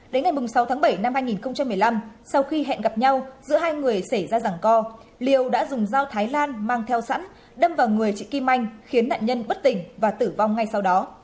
đến ngày sáu tháng bảy năm hai nghìn một mươi năm sau khi hẹn gặp nhau giữa hai người xảy ra rẳng co liêu đã dùng dao thái lan mang theo sẵn đâm vào người chị kim anh khiến nạn nhân bất tỉnh và tử vong ngay sau đó